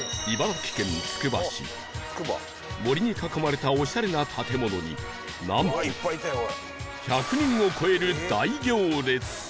森に囲まれたオシャレな建物になんと１００人を超える大行列